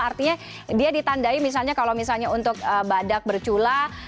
artinya dia ditandai misalnya kalau misalnya untuk badak bercula